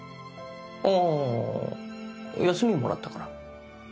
あぁ休みもらったから。